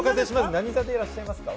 何座でいらっしゃいますか？